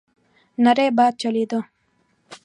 نری باد چلېده.